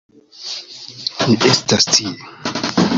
Mi estas tie!